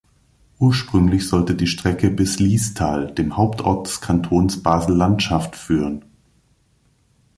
Ursprünglich sollte die Strecke bis Liestal, dem Hauptort des Kantons Basel-Landschaft, führen.